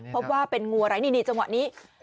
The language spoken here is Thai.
พบว่าเป็นงูอะไรนี่จังหวะนี้